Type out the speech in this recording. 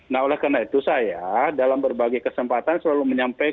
nah oleh karena itu saya dalam berbagai kesempatan selalu menyampaikan